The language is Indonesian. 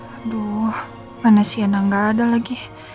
aduh mana sienna gak ada lagi